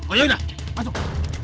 oh yaudah masuk